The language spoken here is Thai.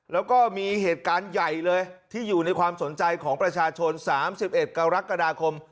แล้วก็มีเหตุการณ์ใหญ่เลยที่อยู่ในความสนใจของประชาชน๓๑กรกฎาคม